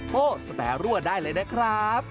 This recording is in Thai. สแปรั่วได้เลยนะครับ